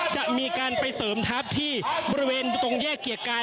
จะมีการไปเสริมทัพที่บริเวณตรงแยกเกียรติกาย